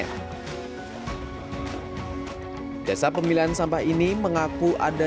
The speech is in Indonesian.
pembuat sampah plastik akan dipisahkan berdasarkan kategori dan bahan pembuatannya